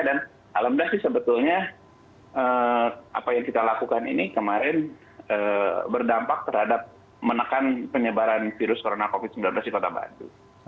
dan alhamdulillah sih sebetulnya apa yang kita lakukan ini kemarin berdampak terhadap menekan penyebaran virus covid sembilan belas di kota bandung